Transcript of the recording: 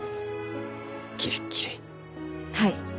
はい。